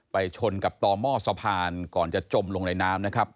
ไปชนกับต่อหม้อสะพานก่อนจะจมลงในน้ำ